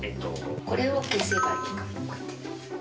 これを消せばいいかなって。